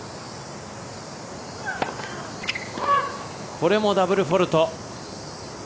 これもダブルフォールト。